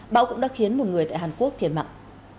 bão cũng đã khiến một người tại hàn quốc thiệt mạng